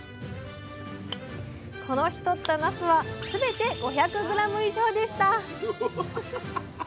この日とったなすはすべて５００ｇ以上でした。